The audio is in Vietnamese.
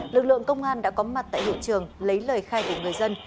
lực lượng công an đã có mặt tại hiện trường lấy lời khai của người dân